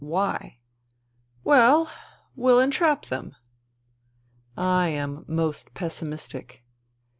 " Why ?"" Well ... we'll entrap them." " I am most pessimistic."